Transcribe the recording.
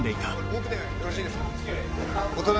お隣よろしいですか？